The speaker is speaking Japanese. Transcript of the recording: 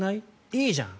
いいじゃん！